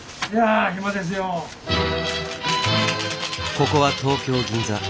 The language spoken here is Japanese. ここは東京・銀座。